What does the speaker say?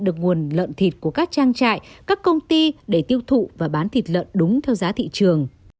được nguồn lợn thịt của các trang trại các công ty để tiêu thụ và bán thịt lợn đúng theo giá thị trường